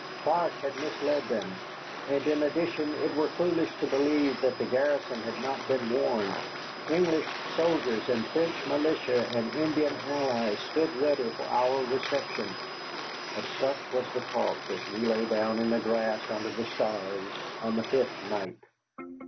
Clark had misled them. And in addition it were foolish to believe that the garrison had not been warned. English soldiers and French militia and Indian allies stood ready for our reception. Of such was the talk as we lay down in the grass under the stars on the fifth night.